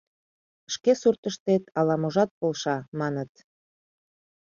— Шке суртыштет ала-можат полша, маныт.